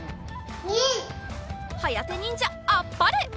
はやてにんじゃあっぱれ。